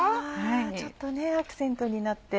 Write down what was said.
ちょっとねアクセントになって。